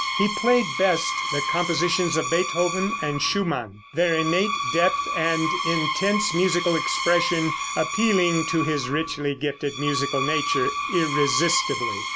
He played best the compositions of Beethoven and Schumann, their innate depth and intense musical expression appealing to his richly gifted musical nature irresistibly.